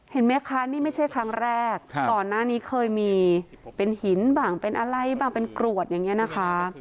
เห็นไหมคะนี่ไม่ใช่ครั้งแรกก่อนหน้านี้เคยมีเป็นหินบ้างเป็นอะไรบ้างเป็นกรวดอย่างนี้นะคะ